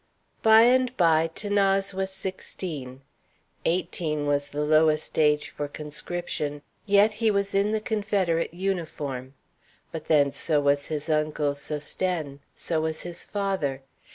By and by 'Thanase was sixteen. Eighteen was the lowest age for conscription, yet he was in the Confederate uniform. But then so was his uncle Sosthène; so was his father.